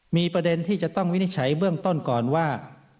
มีประเด็นที่จะต้องวินิจฉัยเบื้องต้นก่อนว่า